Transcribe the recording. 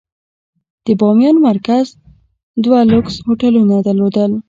د بامیان مرکز دوه لوکس هوټلونه درلودل.